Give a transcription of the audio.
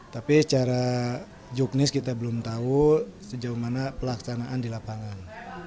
tapi secara juknis kita belum tahu sejauh mana pelaksanaan di lapangan